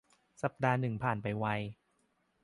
สัปดาห์หนึ่งผ่านไปไว